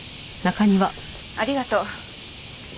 ありがとう。